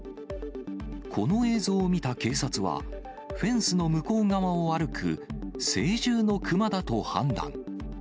この映像を見た警察は、フェンスの向こう側を歩く成獣の熊だと判断。